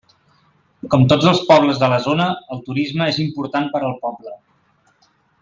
Com tots els pobles de la zona, el turisme és important per al poble.